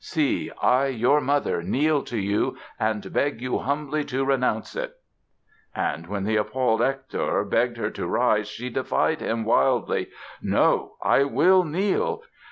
See, I, your mother kneel to you and beg you humbly to renounce it". And when the appalled Hector begged her to rise she defied him, wildly: "No; I will kneel!